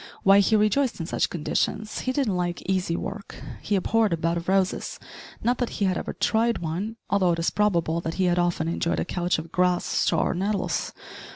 Why, he rejoiced in such conditions! He didn't like easy work. He abhorred a bed of roses not that he had ever tried one, although it is probable that he had often enjoyed a couch of grass, straw, or nettles.